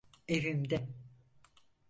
Evimde…